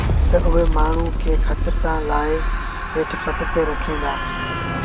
تا اُئي مآڻهوٚٚݩ کي کٽ تآݩ لآهي هيٺ پٽ تي رکين دآ